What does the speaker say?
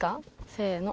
せの。